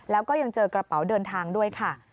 แล้วก็ยังเจอกระเป๋าเดินทางด้วยค่ะ